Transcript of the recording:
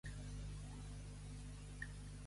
Fer la salva.